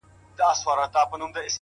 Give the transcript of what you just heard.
ستا و مخ ته چي قدم دی خو ته نه يې _